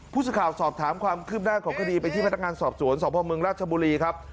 ผู้ชมข่าวสอบถามความขึ้นหน้าของคดีไปที่พัฒนางานสอบสวนสพมราชบุรีครับ